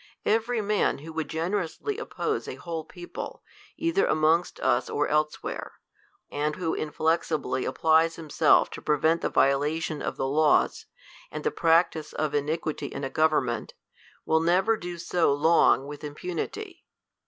^ Every man who would generously oppose a whole peo | pie, either amongst us or elsewhere, and who inflexibly ' applies himself to prevent the violation of the laws, and the practice of iniquity in a government, will never do so long with impunity.